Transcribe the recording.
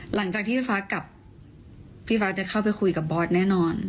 หลังจากที่พี่ฟ้ากับพี่ฟ้าจะเข้าไปคุยกับบอสแน่นอน